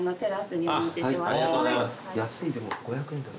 安いでも５００円だ。